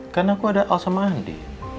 karena aku ada alsa mandi